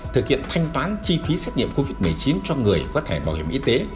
thực hiện thanh toán chi phí xét nghiệm covid một mươi chín cho người có thẻ bảo hiểm y tế